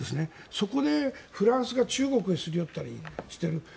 そこでフランスが中国へすり寄ったりしている。